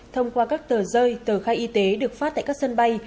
thông qua các tờ rơi tờ khai y tế được phát tại các sân bay